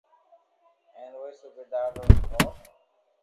ھين وئي صوبيدار رو نو ر